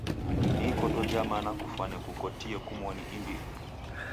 Ni ikoto ja mana kufwane kukukotie kumoni imbiri.